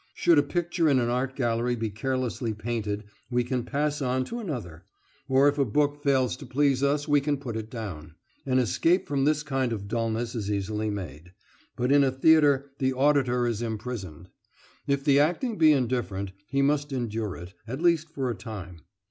Should a picture in an art gallery be carelessly painted we can pass on to another, or if a book fails to please us we can put it down. An escape from this kind of dulness is easily made, but in a theatre the auditor is imprisoned. If the acting be indifferent, he must endure it, at least for a time.